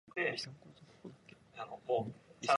The slopes of the mountain are heavily glaciated.